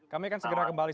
kami akan segera kembali